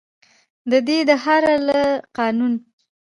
ددې دهر له قانونه.